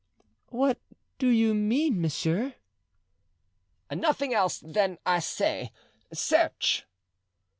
"What do you mean, monsieur?" "Nothing else than I say—search."